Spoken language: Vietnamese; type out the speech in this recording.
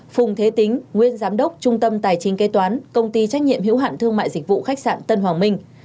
phùng thế tính nguyên giám đốc trung tâm tài chính kế toán công ty trách nhiệm hữu hạn thương mại dịch vụ khách sạn tân hoàng minh